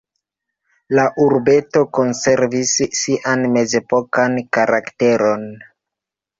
La urbeto konservis sian mezepokan karakteron.